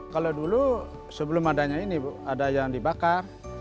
kalau dulu sebelum adanya ini bu ada yang dibakar